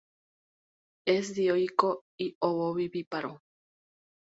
Es dioico y ovovivíparo.